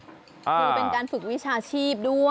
คือเป็นการฝึกวิชาชีพด้วย